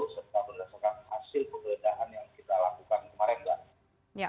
serta merasakan hasil pemberendahan yang kita lakukan kemarin mbak